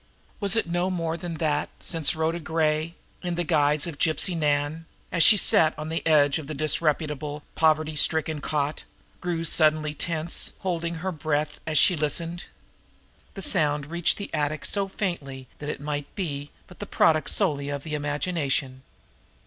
Was it no more than that since Rhoda Gray, in the guise of Gypsy Nan, as she sat on the edge of the disreputable, poverty stricken cot, grew suddenly tense, holding her breath as she listened. The sound reached the attic so faintly that it might be but the product solely of the imagination.